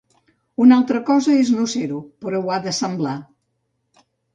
Una altra cosa és no ser-ho, però ho ha de semblar.